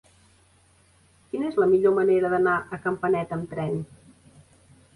Quina és la millor manera d'anar a Campanet amb tren?